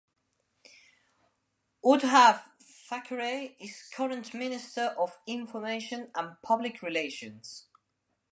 Uddhav Thackeray is Current Minister of Information and Public Relations.